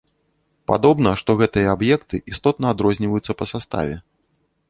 Падобна, што гэтыя аб'екты істотна адрозніваюцца па саставе.